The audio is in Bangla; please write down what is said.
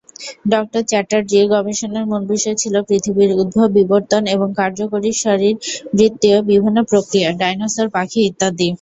ডক্টর চ্যাটার্জী গবেষণার মূল বিষয় ছিল পৃথিবীর উদ্ভব, বিবর্তন এবং কার্যকরী শারীরবৃত্তীয় বিভিন্ন প্রক্রিয়া, ডাইনোসর, পাখি ইত্যাদি।